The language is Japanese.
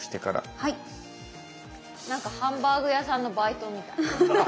何かハンバーグ屋さんのバイトみたい。